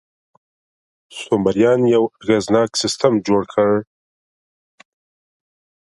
سومریان یو اغېزناک سیستم جوړ کړ.